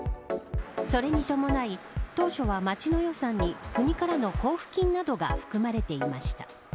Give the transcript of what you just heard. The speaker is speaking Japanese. それに伴い当初は町の予算に国からの交付金などが含まれていました。